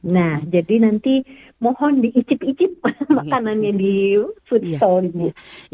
nah jadi nanti mohon diicip icip makanannya di food stall